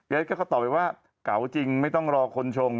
แก๊กก็ตอบไปว่าเกาจริงไม่ต้องรอคนชง